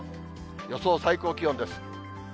予想最高気温です。